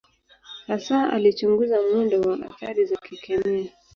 Hasa alichunguza mwendo wa athari za kikemia.